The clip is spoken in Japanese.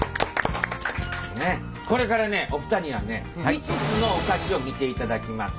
これからねお二人にはね５つのお菓子を見ていただきます。